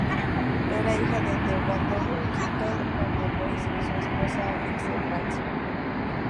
Era hija de Teobaldo V, conde de Blois y su esposa Alix de Francia.